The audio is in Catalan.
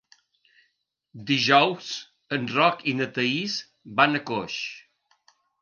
Dijous en Roc i na Thaís van a Coix.